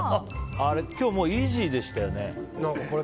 今日、イージーでしたよね。